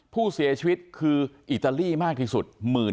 ผู้เสียชีวิตคืออิตาลีมากที่สุด